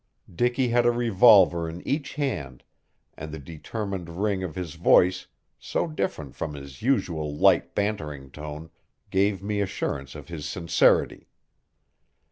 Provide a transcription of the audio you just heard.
Dicky had a revolver in each hand, and the determined ring of his voice, so different from his usual light bantering tone, gave me assurance of his sincerity.